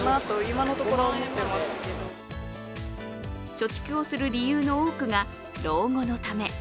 貯蓄をする理由の多くが老後のため。